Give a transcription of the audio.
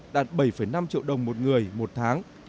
đạt bảy năm triệu đồng một người một tháng